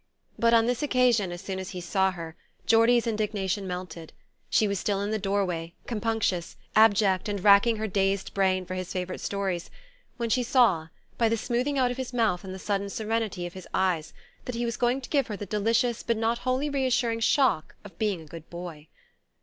But on this occasion, as soon as he saw her, Geordie's indignation melted. She was still in the doorway, compunctious, abject and racking her dazed brain for his favourite stories, when she saw, by the smoothing out of his mouth and the sudden serenity of his eyes, that he was going to give her the delicious but not wholly reassuring shock of being a good boy.